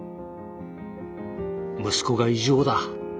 「息子が異常だ」